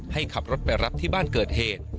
ให้ขับรถไปรับที่บ้านเกิดเหตุ